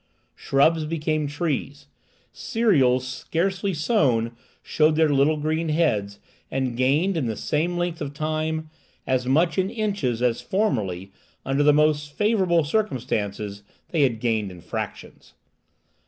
Shrubs became trees. Cereals, scarcely sown, showed their little green heads, and gained, in the same length of time, as much in inches as formerly, under the most favourable circumstances, they had gained in fractions.